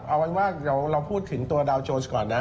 เอาบ้างเราพูดถึงตัวดาวน์โจรสก่อนนะ